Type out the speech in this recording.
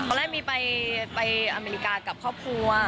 ตอนแรกมีไปอเมริกากับครอบครัว